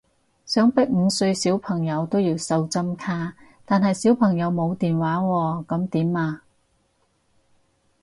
想逼五歲小朋友都要掃針卡，但係小朋友冇電話喎噉點啊？